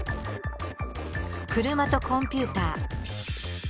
車とコンピューター。